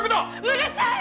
うるさい！